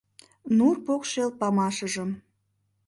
Нур покшел памашыжым